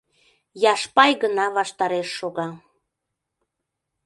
Яшпай гына ваштареш шога.